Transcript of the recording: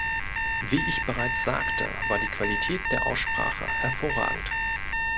Wie ich bereits sagte, war die Qualität der Aussprache hervorragend.